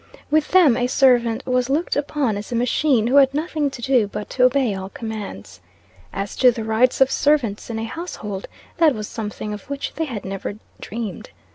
With them, a servant was looked upon as a machine who had nothing to do but to obey all commands. As to the rights of servants in a household, that was something of which they had never dreamed.